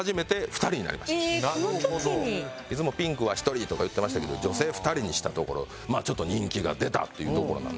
いつもピンクは１人とか言ってましたけど女性２人にしたところ人気が出たっていうところなんです。